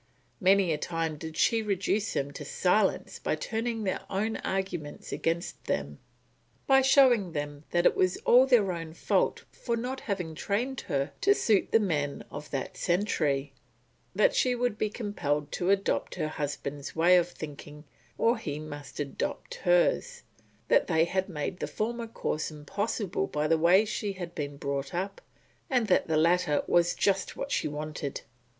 Many a time did she reduce them to silence by turning their own arguments against them, by showing them that it was all their own fault for not having trained her to suit the men of that century; that she would be compelled to adopt her husband's way of thinking or he must adopt hers, that they had made the former course impossible by the way she had been brought up, and that the latter was just what she wanted.